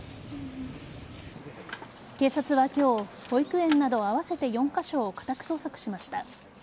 警察は今日、保育園など合わせて４カ所を家宅捜索しました。